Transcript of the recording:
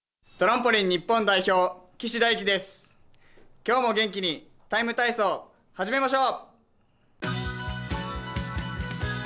今日も元気に「ＴＩＭＥ，体操」始めましょう。